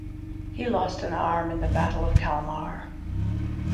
He lost an arm in the Battle of Kalmar.